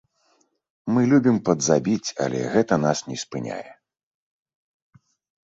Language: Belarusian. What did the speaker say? Мы любім падзабіць, але гэта нас не спыняе.